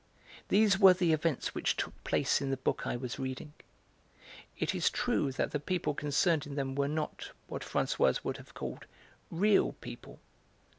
These were the events which took place in the book I was reading. It is true that the people concerned in them were not what Françoise would have called 'real people.'